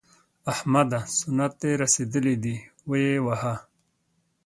احمده! سنت دې رسېدلي دي؛ ویې وهه.